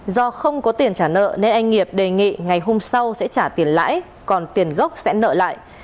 do không có tiền trả nợ nên anh nghiệp đề nghị ngày hôm sau sẽ trả tiền lãi còn tiền gốc sẽ nợ lại